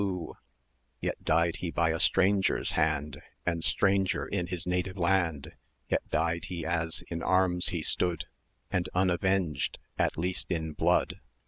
" Yet died he by a stranger's hand, And stranger in his native land; Yet died he as in arms he stood, And unavenged, at least in blood.